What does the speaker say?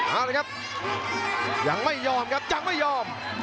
เอาละครับยังไม่ยอมครับยังไม่ยอม